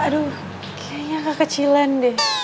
aduh kayaknya gak kecilan deh